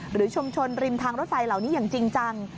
หรือชุมชนริมทางรถไฟเหล่านี้อย่างจริงจัง